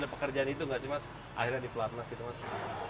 ada pekerjaan itu gak sih mas akhirnya di pelatnas itu mas